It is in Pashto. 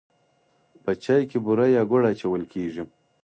په چای کې بوره یا ګوړه اچول کیږي.